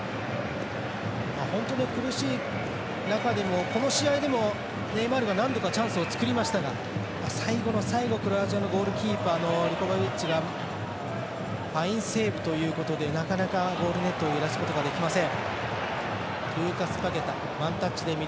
本当に苦しい中でもこの試合でもネイマールが何度かチャンスを作りましたが最後の最後、クロアチアのゴールキーパーのリバコビッチがファインセーブということでなかなかゴールネットを揺らすことができません。